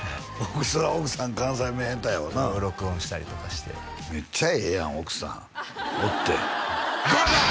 そりゃ奥さん関西弁下手やわなそれを録音したりとかしてめっちゃええやん奥さんおってバカ！